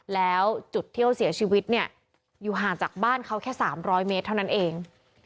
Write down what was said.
แล้วจุดที่เขาเสียชีวิตเนี่ยอยู่ห่างจากบ้านเขาแค่๓๐๐เมตรเท่านั้นเอง